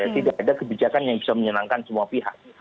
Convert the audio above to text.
tidak ada kebijakan yang bisa menyenangkan semua pihak